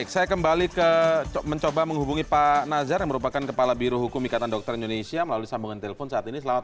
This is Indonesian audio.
semangat sekali sangat sangat